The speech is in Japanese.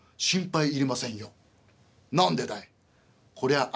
「何でだい？」。